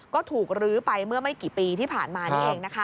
ก็ถูกลื้อไปเมื่อไม่กี่ปีที่ผ่านมานี่เองนะคะ